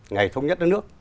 ngày thông nhất nước nước